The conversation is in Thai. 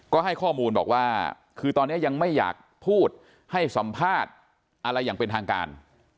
ก็ให้ข้อมูลบอกว่าคือตอนนี้ยังไม่อยากพูดให้สัมภาษณ์อะไรอย่างเป็นทางการ